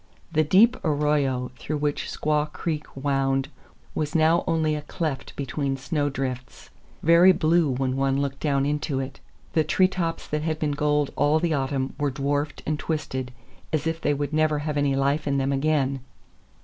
The deep arroyo through which Squaw Creek wound was now only a cleft between snow drifts—very blue when one looked down into it. The tree tops that had been gold all the autumn were dwarfed and twisted, as if they would never have any life in them again.